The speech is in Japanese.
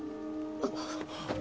あっ。